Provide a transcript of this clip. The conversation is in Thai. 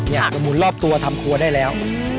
กระหมุนรอบตัวทำครัวได้แล้ว